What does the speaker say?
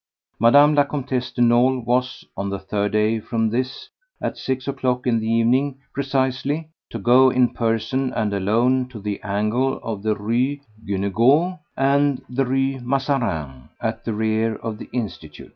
Mme. la Comtesse de Nolé was, on the third day from this at six o'clock in the evening precisely, to go in person and alone to the angle of the Rue Guénégaud and the Rue Mazarine, at the rear of the Institut.